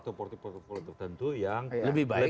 tapi ada juga yang lebih baik